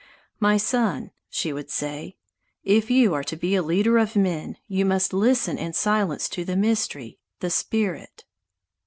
"My son," she would say, "if you are to be a leader of men, you must listen in silence to the mystery, the spirit."